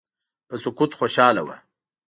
په سقوط خوشاله وه.